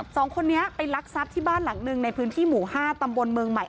สองคนนี้ไปลักทรัพย์ที่บ้านหลังหนึ่งในพื้นที่หมู่๕ตำบลเมืองใหม่